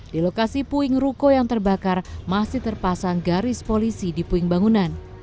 di lokasi puing ruko yang terbakar masih terpasang garis polisi di puing bangunan